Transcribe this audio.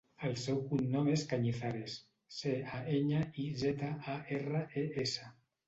El seu cognom és Cañizares: ce, a, enya, i, zeta, a, erra, e, essa.